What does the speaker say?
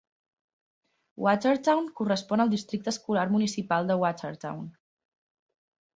Watertown correspon al districte escolar municipal de Watertown.